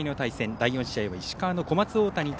第４試合は石川の小松大谷対